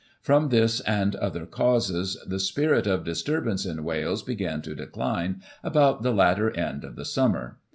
From this, and other causes, the spirit of disturbance in Wales began to decline, about the latter end of the summer.